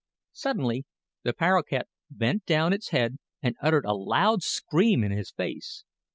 Suddenly the paroquet bent down its head and uttered a loud scream in his face.